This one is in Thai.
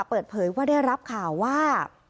เปิดเผยว่าได้รับข่าวว่า